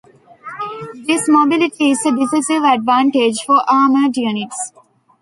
This mobility is a decisive advantage for armored units.